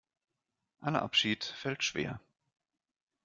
Aller Abschied fällt schwer.